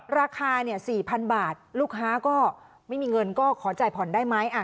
ราคา๔๐๐๐บาทลูกค้าก็ไม่มีเงินก็ขอจ่ายผ่อนได้ไหม